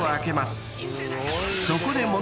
［そこで］